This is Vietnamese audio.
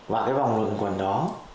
và cái vòng luẩn quẩn đó